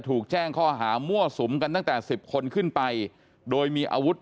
ถูกแจ้งข้อหามั่วสุมกันตั้งแต่๑๐คนขึ้นไปโดยมีอาวุธ